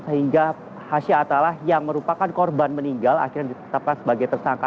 sehingga hasha atalah yang merupakan korban meninggal akhirnya ditetapkan sebagai tersangka